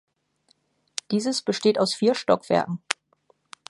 Dieses besteht aus vier Stockwerken.